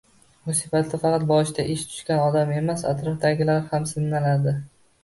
Musibatda faqat boshiga ish tushgan odam emas, atrofdagilar ham sinaladi.